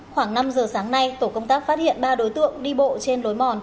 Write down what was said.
khoảng năm giờ sáng nay tổ công tác phát hiện ba đối tượng đi bộ trên lối mòn